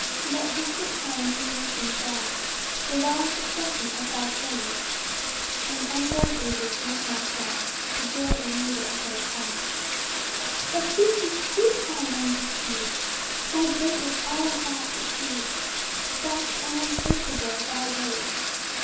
5 Let distant times and nations raise The long succession of thy praise; And unborn ages make my song The joy and labour of their tongue. 6 But who can speak thy wondrous deeds? Thy greatness all our thoughts exceeds! Vast and unsearchable thy ways!